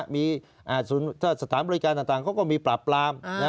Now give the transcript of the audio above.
มีสถานบริการต่างเขาก็มีปราบปราม